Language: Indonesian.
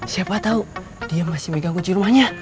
siapa tau dia masih megang kunci rumahnya